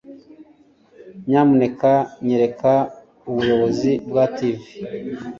Nyamuneka nyereka Ubuyobozi bwa TV.